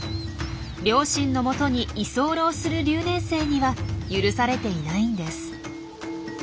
両親の元に居候する留年生には許されていないんです。